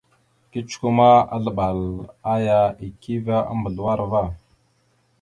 Kecəkwe ma, azləɓal aya ekeve a mbazləwar va.